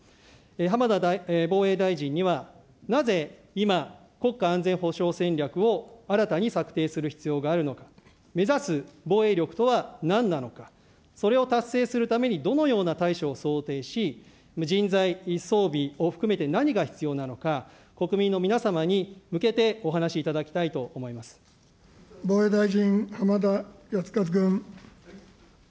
浜田防衛大臣には、なぜ今、国家安全保障戦略を新たに策定する必要があるのか、目指す防衛力とは何なのか、それを達成するためにどのような対処を想定し、人材、装備を含めて何が必要なのか、国民の皆様に向けてお話いただきた防衛大臣、浜田靖一君。